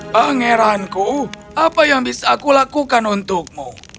pangeranku apa yang bisa aku lakukan untukmu